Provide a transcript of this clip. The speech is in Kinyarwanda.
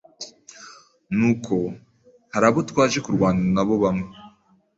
nuko hari abo twaje kurwana nabo bamwe